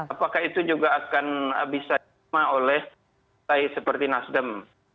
apakah itu juga akan bisa diterima oleh seperti nasdem